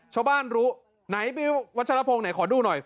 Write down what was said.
ชาวบ้านรู้ไหนไปวัชรพงศ์ไหนขอดูหน่อย